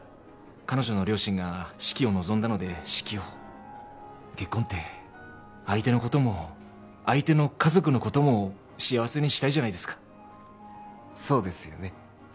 彼女の両親が式を望んだので式を結婚って相手のことも相手の家族のことも幸せにしたいじゃないですかそうですよね